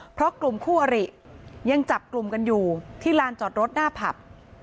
เพราะกลุ่มคู่อริยังจับกลุ่มกันอยู่ที่ลานจอดรถหน้าผับ